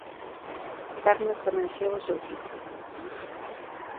Turner pon en xogo o seu físico.